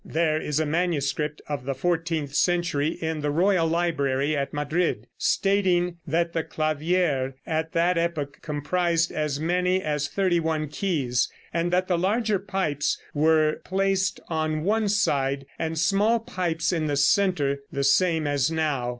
There is a manuscript of the fourteenth century in the Royal Library at Madrid, stating that the clavier at that epoch comprised as many as thirty one keys, and that the larger pipes were placed on one side, and small pipes in the center, the same as now.